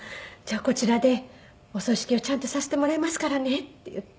こちらでお葬式をちゃんとさせてもらいますからね」って言って。